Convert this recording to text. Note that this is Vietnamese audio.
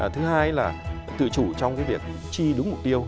thứ hai là tự chủ trong việc chi đúng mục tiêu